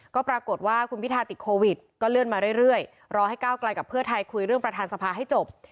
ก็ปรากฏว่าคุณพิทาติดโควิดก็เลื่อนมาเรื่อยรอให้ก้าวไกลกับเพื่อไทยคุยเรื่องประธานสภาให้จบ